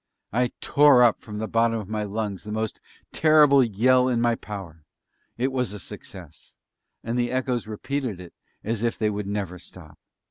I tore up from the bottom of my lungs the most terrible yell in my power! It was a success; and the echoes repeated it as if they would never stop.